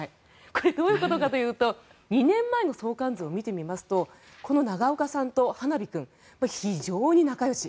これ、どういうことかというと２年前の相関図を見るとこの長岡さんとはなび君非常に仲よし。